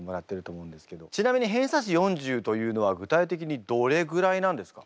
ちなみに偏差値４０というのは具体的にどれぐらいなんですか？